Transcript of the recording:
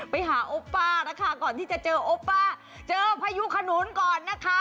ไปหาโอป้านะคะก่อนที่จะเจอโอป้าเจอพายุขนุนก่อนนะคะ